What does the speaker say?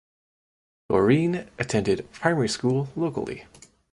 Doreen attended primary school locally.